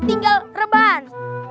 pak d tinggal reban